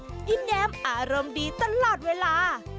ยิ้มแย้มอารมณ์ดีตลอดเวลา